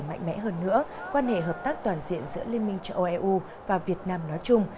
mạnh mẽ hơn nữa quan hệ hợp tác toàn diện giữa liên minh châu âu eu và việt nam nói chung